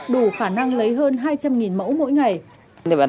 đủ khả năng lấy hơn hai trăm linh mẫu mỗi ngày